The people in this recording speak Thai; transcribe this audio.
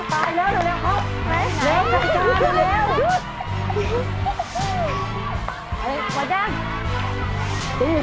เขากำลังเละเต็มยังไม่อยู่